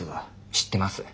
知ってます。